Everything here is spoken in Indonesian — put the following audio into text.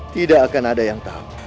tidak akan ada yang tahu